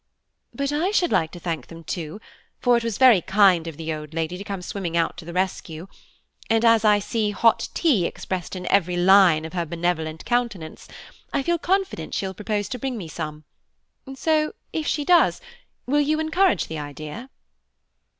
"But I should like to thank them, too, for it was very kind of the old lady to come swimming out to the rescue, and as I see 'hot tea' expressed in every line of her benevolent countenance, I feel confident she will propose to bring me some; so, if she does, will you encourage the idea?"